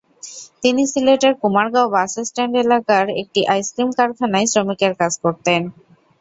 তিনি সিলেটের কুমারগাঁও বাসস্ট্যান্ড এলাকার একটি আইসক্রিম কারখানায় শ্রমিকের কাজ করতেন।